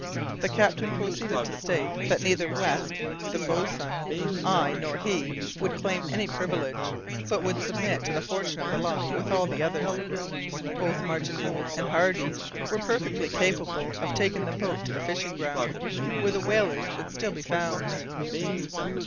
The captain proceeded to state that neither West, the boatswain, I, nor he would claim any privilege, but would submit to the fortune of the lot with all the others. Both Martin Holt and Hardy were perfectly capable of taking the boat to the fishing grounds, where the whalers would still be found.